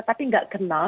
tapi gak kenal